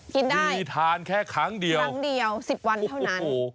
กินได้มีทานแค่ครั้งเดียวครั้งเดียว๑๐วันเท่านั้น